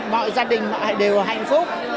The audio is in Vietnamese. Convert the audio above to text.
mọi gia đình mọi đều hạnh phúc